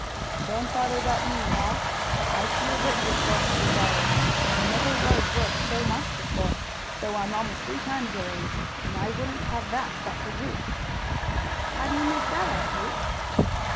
"Don't bother about me, lad; I feel rich with four hundred dollars. I never was worth so much before, though I'm almost three times your age. And I wouldn't have that but for you." "How do you make that out, Luke?"